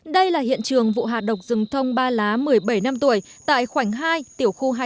đây là hiện trường vụ hạ độc rừng thông ba lá một mươi bảy năm tuổi tại khoảnh hai tiểu khu hai trăm chín mươi hai